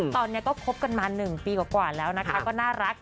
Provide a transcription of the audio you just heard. ตอนเนี้ยก็คบกันมาหนึ่งปีกว่ากว่าแล้วนะคะก็น่ารัก